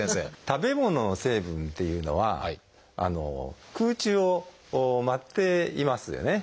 食べ物の成分っていうのは空中を舞っていますよね。